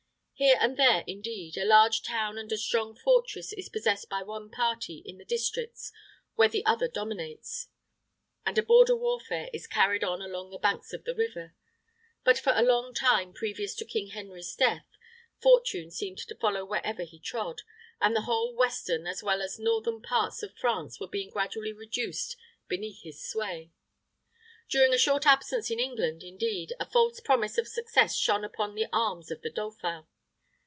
Here and there, indeed, a large town and a strong fortress is possessed by one party in the districts where the other dominates, and a border warfare is carried on along the banks of the river. But for a long time previous to King Henry's death, fortune seemed to follow wherever he trod, and the whole western as well as northern parts of France were being gradually reduced beneath his sway. During a short absence in England, indeed, a false promise of success shone upon the arms of the dauphin.